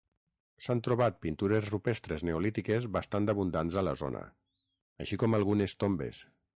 S'han trobat pintures rupestres neolítiques bastant abundants a la zona, així com algunes tombes.